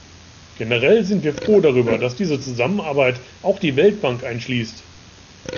Generell sind wir froh darüber, dass diese Zusammenarbeit auch die Weltbank einschließt.